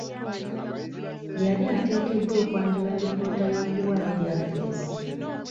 Yali ateekeddwa okwanjula alipoota y'okuwaayo yafesi.